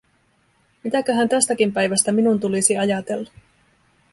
Mitäköhän tästäkin päivästä minun tulisi ajatella?